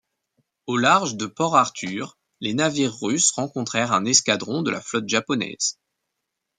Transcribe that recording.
Au large de Port-Arthur les navires russes rencontrèrent un escadron de la flotte japonaise.